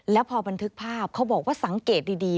แล้วพอบันทึกภาพเขาบอกว่าสังเกตดี